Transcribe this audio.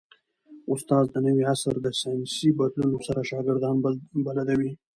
استاد د نوي عصر د ساینسي بدلونونو سره شاګردان بلدوي.